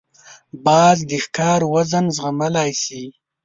باز د ښکار وزن زغملای شي